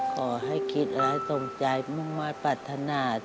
ขอให้คิดและทรงใจมุ่งมาปรัฐนา